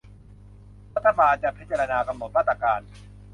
รัฐบาลจะพิจารณากำหนดมาตรการ